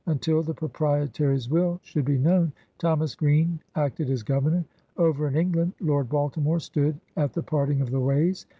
Until the Pro prietary's will should be known, Thomas Greene acted as Governor. Over in England, Lord Balti more stood at the parting of the ways...